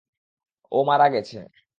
ও মারা গেছে!